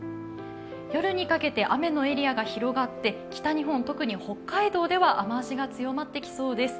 夜にかけて雨のエリアが広がって北日本、特に北海道では雨足が強まってきそうです。